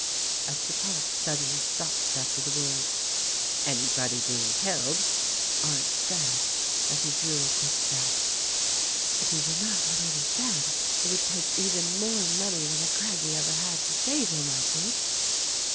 As the talk suddenly stopped after the words, "Anybody being killed," Arndt said, as he drew a quick breath, "If he were not already dead, it would take even more money than a Craggie ever had to save him, I think."